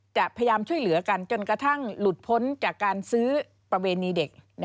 พยายามช่วยเหลือกันจนกระทั่งหลุดพ้นจากการซื้อประเวณีเด็ก